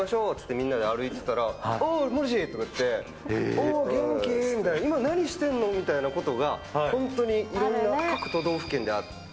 みんなで歩いてたらおう、モリシーとかいって、おー、元気とか、今何してんの？みたいなことが、本当にいろんな各都道府県であって。